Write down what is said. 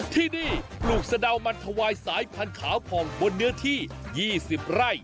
ที่นี่ลูกสะเดามันถวายสายพันขาวผ่องบนเนื้อที่ยี่สิบไร่